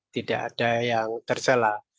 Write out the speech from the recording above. tidak ada yang tercela